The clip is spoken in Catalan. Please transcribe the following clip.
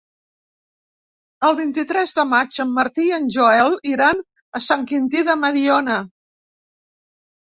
El vint-i-tres de maig en Martí i en Joel iran a Sant Quintí de Mediona.